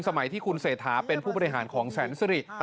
สมัยที่คุณเศรษฐาเป็นผู้บริหารของแสนสิริ